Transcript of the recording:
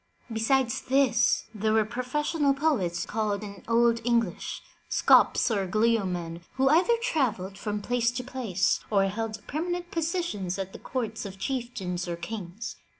Besides this, there were pro fessional poets called in Old English, "scops or gleomen,'' who either travelled from place to place, or held permanent positions at the courts of chieftains or kings.